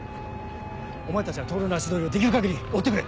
お前たちは透の足取りをできる限り追ってくれ。